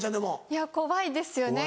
いや怖いですよね。